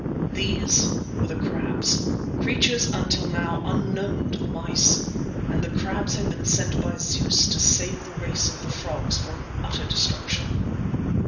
These were the crabs, creatures until now unknown to the mice. And the crabs had been sent by Zeus to save the race of the frogs from utter destruction.